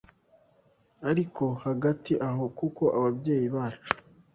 ariko hagati aho kuko ababyeyi bacu